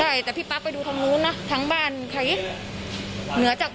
มันเหาไล่ไปอยู่ทางที่ตรงนี้เราจับ